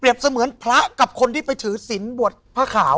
เสมือนพระกับคนที่ไปถือศิลป์บวชผ้าขาว